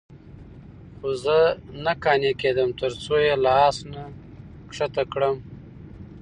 خو زه نه قانع کېدم. ترڅو یې له آس نه ښکته کړم،